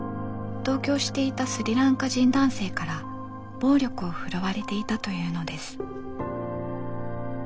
同居していたスリランカ人男性から暴力を振るわれていたというのです。